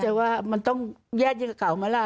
ใช่แล้วมันต้องแยกเก่ามาล่ะ